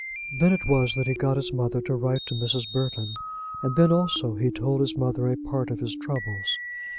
Then it was that he got his mother to write to Mrs. Burton; and then also he told his mother a part of his troubles.